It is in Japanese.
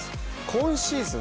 今シーズン